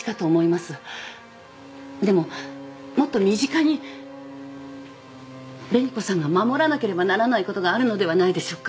でももっと身近に紅子さんが守らなければならないことがあるのではないでしょうか？